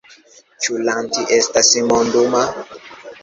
Ĉu Lanti estas monduma?